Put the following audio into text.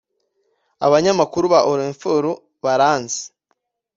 abanyamakuru ba Orinfor baranzi